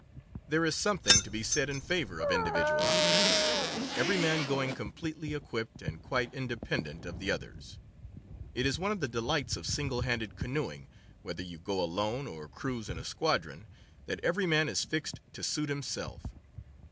There is something to be said in favor of individual outfits, every man going completely equipped and quite independent of the others. It is one of the delights of single handed canoeing, whether you go alone or cruise in squadron, that every man is fixed to suit himself.